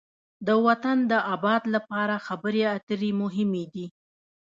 د وطن د آباد لپاره خبرې اترې مهمې دي.